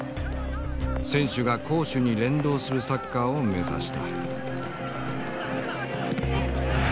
選手が攻守に連動するサッカーを目指した。